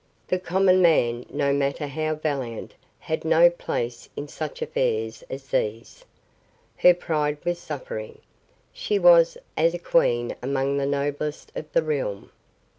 The common man, no matter how valiant, had no place in such affairs as these. Her pride was suffering. She was as a queen among the noblest of the realm.